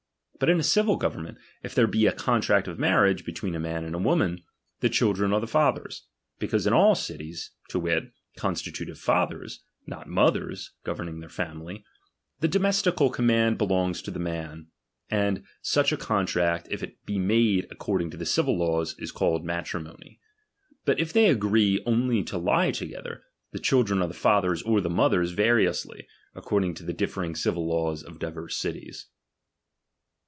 But in a civil government, if there be a contract of marriage between a man and woman, the children are X^xe father's ; because in all cities, to wit, constituted of fathers, not mothers govern ing their families, the domestical command belongs to the man ; and such a contract, if it be made ac cording to the civil laws, is called matrimony. But if they agree only to lie together, the children are thefather's or the mother^s variously, according to the differing civil laws of divers cities.